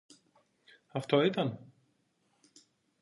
Αυτό ήταν;